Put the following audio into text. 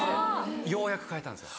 ようやく買えたんですよ。